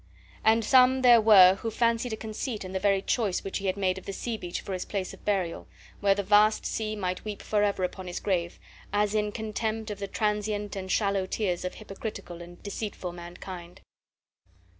And some there were who fancied a conceit in the very choice which he had made of the sea beach for his place of burial, where the vast sea might weep forever upon his grave, as in contempt of the transient and shallow tears of hypocritical and deceitful mankind.